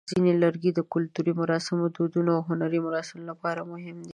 ځینې لرګي د کلتوري مراسمو، دودونو، او هنري مراسمو لپاره مهم دي.